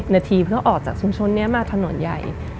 นาทีเพื่อออกจากชุมชนนี้มาถนนใหญ่